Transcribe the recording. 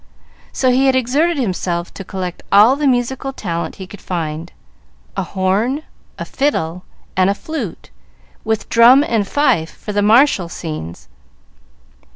So he had exerted himself to collect all the musical talent he could find, a horn, a fiddle, and a flute, with drum and fife for the martial scenes.